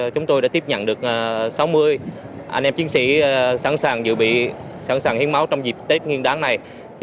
chúng tôi đã tiếp nhận được sáu mươi anh em chiến sĩ sẵn sàng hiến máu trong dịp tết nguyên đán này